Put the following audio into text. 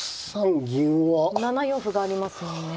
７四歩がありますもんね。